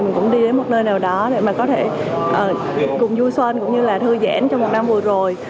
mình cũng đi đến một nơi nào đó để mà có thể cùng vui xuân cũng như là thư giãn trong một năm vừa rồi